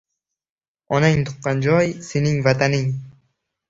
• Onang tuqqan joy — sening vataning.